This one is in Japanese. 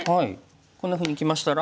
こんなふうにきましたら。